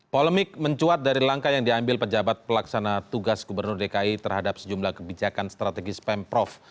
polemik mencuat dari langkah yang diambil pejabat pelaksana tugas gubernur dki terhadap sejumlah kebijakan strategis pemprov